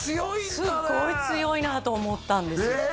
すごい強いなと思ったんですよえ！